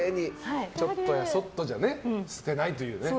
ちょっとやそっとじゃ捨てないというね。